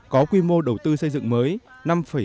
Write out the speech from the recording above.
có quy mô đầu tư xây dựng mới